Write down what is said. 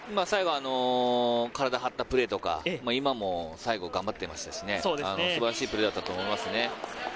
最後、体を張ったプレーとか、今も最後頑張っていましたし、素晴らしいプレーだったと思います。